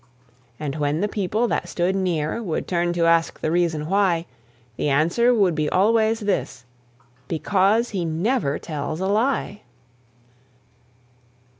And when the people that stood near Would turn to ask the reason why, The answer would be always this: "Because he never tells a lie."